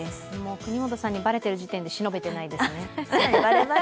國本さんにバレてる時点でしのべてないですね。